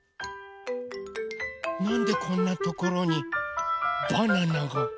なんでこんなところにバナナが？